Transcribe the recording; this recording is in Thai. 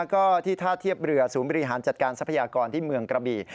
ก็ที่ท่าเทียบเรือศูนย์บริหารจัดการทรัพยากรที่เมืองกระบี่